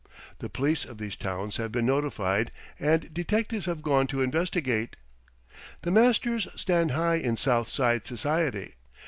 The police of these towns have been notified, and detectives have gone to investigate. The Masters stand high in South Side society.